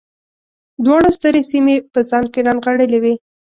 دواړو سترې سیمې په ځان کې رانغاړلې وې.